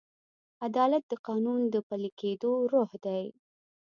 عدالت د قانون د پلي کېدو روح دی.